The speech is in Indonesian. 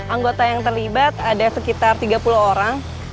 anggota yang terlibat ada sekitar tiga puluh orang